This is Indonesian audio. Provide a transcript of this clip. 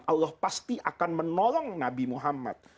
allah pasti akan menolong nabi muhammad